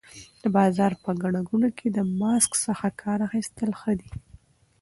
د بازار په ګڼه ګوڼه کې له ماسک څخه کار اخیستل ښه دي.